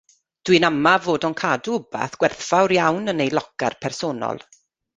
Dwi'n ama fod o'n cadw wbath gwerthfawr iawn yn ei locar personol.